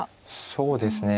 そうですね。